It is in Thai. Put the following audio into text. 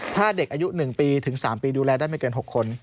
ถ้าเด็กอายุ๑ปีถึง๓ปีดูแลได้ไม่เกิน๖คน